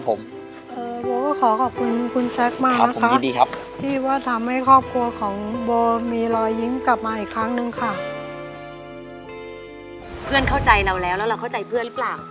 เพื่อนเข้าใจเราแล้วแล้วเราเข้าใจเพื่อนหรือเปล่า